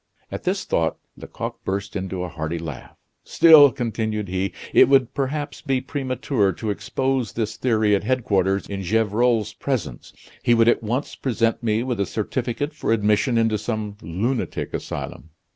At this thought, Lecoq burst into a hearty laugh. "Still," continued he, "it would perhaps be premature to expose this theory at headquarters in Gevrol's presence. He would at once present me with a certificate for admission into some lunatic asylum."